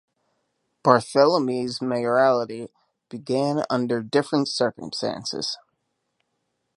Barthelemy's mayoralty began under difficult circumstances.